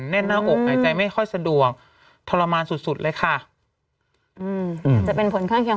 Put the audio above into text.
แน่นหน้าอกหายใจไม่ค่อยสะดวกทรมานสุดสุดเลยค่ะอืมอาจจะเป็นผลข้างเคียง